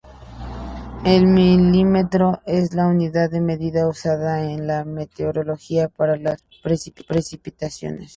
El milímetro es la unidad de medida usada en la meteorología para las precipitaciones.